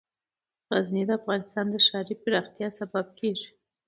غزني د افغانستان د ښاري پراختیا سبب کېږي.